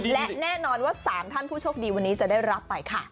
และแน่นอนว่า๓ท่านผู้โชคดีวันนี้จะได้รับไปค่ะ